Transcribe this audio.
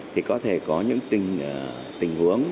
thì có thể có những tình huống